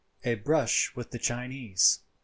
A BRUSH WITH THE CHINESE.—II.